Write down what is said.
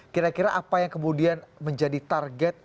kira kira apa yang kemudian menjadi target